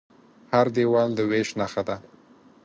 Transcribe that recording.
هر دیوال د وېش نښه ده.